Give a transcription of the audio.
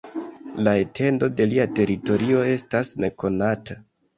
La etendo de lia teritorio estas nekonata.